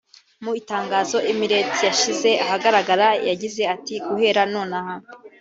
Mu itangazo Emirates yashyize ahagaragara yagize iti “Guhera nonaha